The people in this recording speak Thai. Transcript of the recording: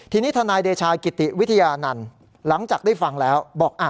ทีนี้ทนายเดชากิติวิทยานันต์หลังจากได้ฟังแล้วบอก